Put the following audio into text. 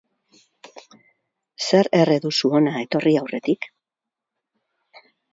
Zer erre duzu hona etorri aurretik.